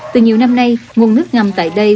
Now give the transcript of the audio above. từ nhiều năm nay nguồn nước ngầm tại đây